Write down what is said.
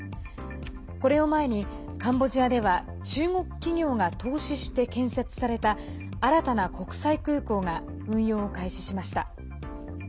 これを前にカンボジアでは中国企業が投資して建設された新たな国際空港が運用を開始しました。